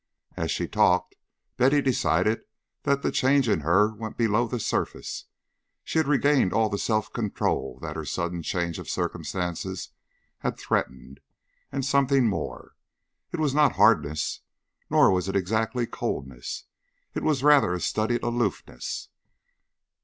As she talked, Betty decided that the change in her went below the surface. She had regained all the self control that her sudden change of circumstances had threatened, and something more. It was not hardness, nor was it exactly coldness. It was rather a studied aloofness.